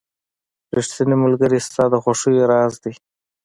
• ریښتینی ملګری ستا د خوښیو راز دی.